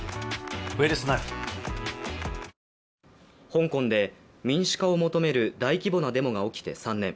香港で、民主化を求める大規模なデモが起きて３年。